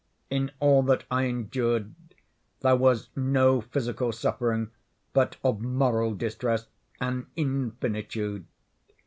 In all that I endured there was no physical suffering but of moral distress an infinitude.